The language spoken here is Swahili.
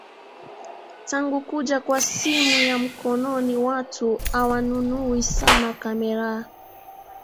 Tangu kuja kwa simu ya mkononi watu hawanunui sana kamera